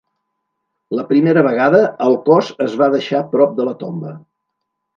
La primera vegada, el cos es va deixar prop de la tomba.